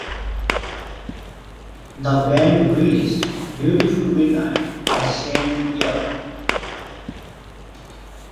The band released "Beautiful Midnight" the same year.